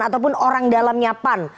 ataupun orang dalamnya pan